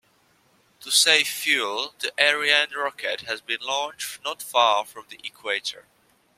To save fuel, the Ariane rocket has been launched not far from the equator.